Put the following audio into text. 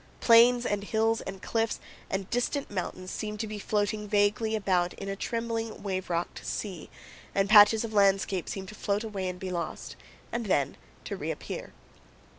Plains and hills and cliffs and distant mountains seem to be floating vaguely about in a trembling, wave rocked sea, and patches of landscape seem to float away and be lost, and then to reappear.